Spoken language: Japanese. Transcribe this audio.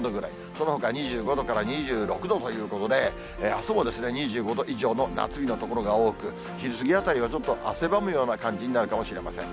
そのほかは２５度から２６度ということで、あすも２５度以上の夏日の所が多く、昼過ぎあたりはちょっと汗ばむような感じになるかもしれません。